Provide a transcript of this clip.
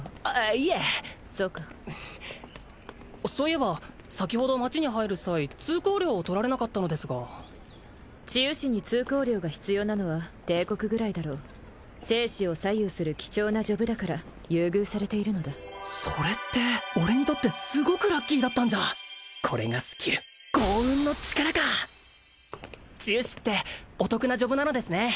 いいえそうかそういえば先ほど街に入る際通行料を取られなかったのですが治癒士に通行料が必要なのは帝国ぐらいだろう生死を左右する貴重なジョブだから優遇されているのだそれって俺にとってすごくラッキーだったんじゃこれがスキル豪運の力か治癒士ってお得なジョブなのですね